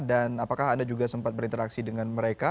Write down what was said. dan apakah anda juga sempat berinteraksi dengan mereka